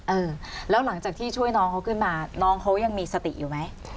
เออแล้วหลังจากที่ช่วยน้องเขาขึ้นมาน้องเขายังมีสติอยู่ไหม